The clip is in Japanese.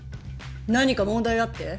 何か問題あって？